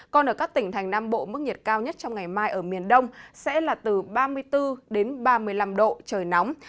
còn ở các tỉnh thành nam bộ mức nhiệt cao nhất trong ngày mai ở miền đông sẽ là từ ba mươi bốn đến ba mươi năm độ trời nóng